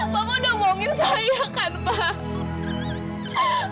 bapak sudah bohongin saya kan pak